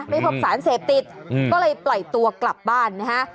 ไม่พบสารเสพติดก็เลยปล่อยตัวกลับบ้านนะฮะ